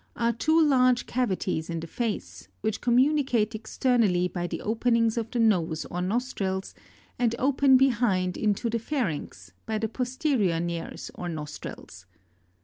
are two large cavities in the face, which communicate externally by the open ings of the nose or nostrils, and open behind, into the pharynx, by the posterior nares or nostrils.